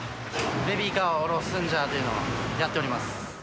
ベビーカーおろすんジャーというのをやっております。